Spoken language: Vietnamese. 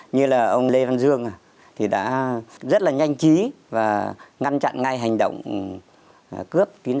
như là ông lê văn dương thì đã rất là nhanh chí và ngăn chặn ngay hành động cướp